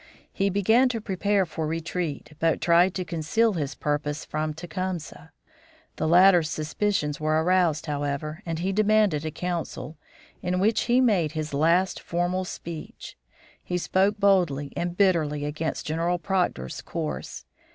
He began to prepare for retreat, but tried to conceal his purpose from Tecumseh. The latter's suspicions were aroused, however, and he demanded a council, in which he made his last formal speech. He spoke boldly and bitterly against General Proctor's course.